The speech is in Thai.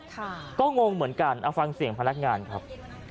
ค่ะก็งงเหมือนกันเอาฟังเสียงพนักงานครับ